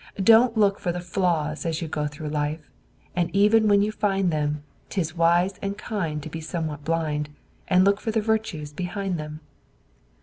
Don't look for the flaws as you go through life, And even when you find them 'Tis wise and kind to be somewhat blind, And look for the virtues behind them.